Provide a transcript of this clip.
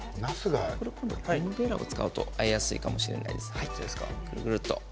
ゴムべらを使うとあえやすいかもしれません。